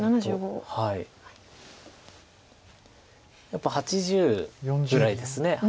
やっぱ８０ぐらいです。